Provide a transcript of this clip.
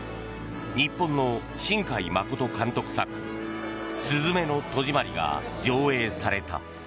日本の新海誠監督作「すずめの戸締まり」が上映された。